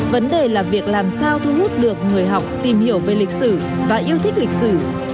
vấn đề là việc làm sao thu hút được người học tìm hiểu về lịch sử và yêu thích lịch sử